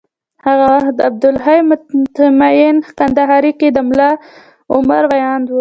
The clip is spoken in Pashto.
هغه وخت عبدالحی مطمین کندهار کي د ملا عمر ویاند و